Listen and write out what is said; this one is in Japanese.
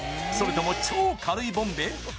それとも超軽いボンベ？